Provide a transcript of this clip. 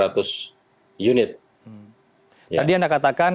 tadi anda katakan ini memungkinkan